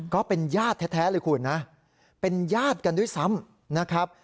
ก็เป็นญาติแท้เลยคุณนะเป็นญาติกันด้วยซ้ำนะครับ